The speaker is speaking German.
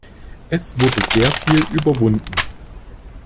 Es wurde sehr viel überwunden.